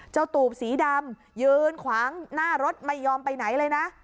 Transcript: ตูบสีดำยืนขวางหน้ารถไม่ยอมไปไหนเลยนะ